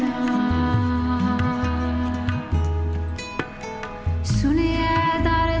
pastikan buka wang